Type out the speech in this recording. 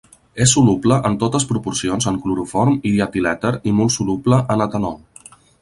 És soluble en totes proporcions en cloroform i dietilèter i molt soluble en etanol.